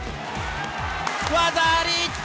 技あり！